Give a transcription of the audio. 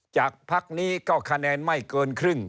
จากพักนี้ก็คะแนนไม่เกินครึ่ง